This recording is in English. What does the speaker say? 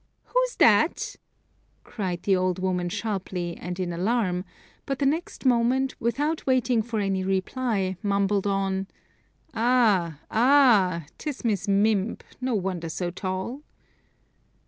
"Who's that?" cried the old woman sharply, and in alarm; but the next moment, without waiting for any reply, mumbled on: "Ah, ah! 'tis Miss Mimb, no wonder so tall."